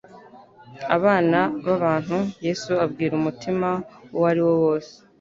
abana b'abantu. Yesu abwira umutima uwo ari wo wose,